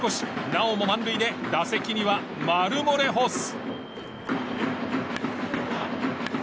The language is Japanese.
なおも満塁で打席にはマルモレホス。